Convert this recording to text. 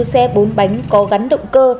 xe bún bánh có gắn động cơ